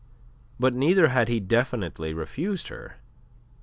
But neither had he definitely refused her.